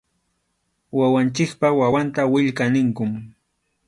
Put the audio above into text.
Wawanchikpa wawanta willka ninkum.